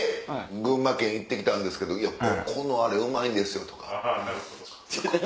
「群馬県行って来たんですけどここのあれうまいんです」とか。